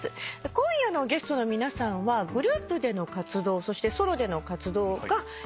今夜のゲストの皆さんはグループでの活動そしてソロでの活動が経験ありますけれども。